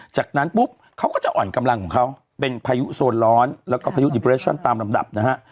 จากนั้นปุ๊บเขาก็จะอ่อนกำลังของเขาเป็นพายุโซนร้อนแล้วก็พายุดิเรชั่นตามลำดับนะฮะ